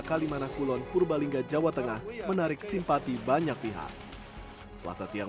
kalimantan kulon purbalingga jawa tengah menarik simpati banyak pihak selasa siang